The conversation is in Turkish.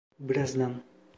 Birazdan.